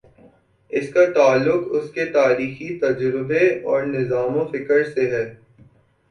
اس کا تعلق اس کے تاریخی تجربے اور نظام فکر سے ہے۔